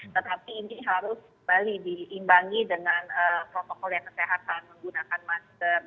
tetapi ini harus kembali diimbangi dengan protokol yang kesehatan menggunakan masker